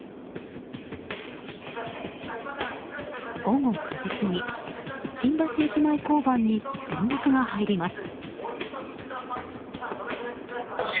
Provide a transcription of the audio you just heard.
午後９時過ぎ、新橋駅前交番に連絡が入ります。